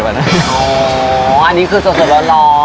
อ๋ออันนี้คือส่วนสุดร้อน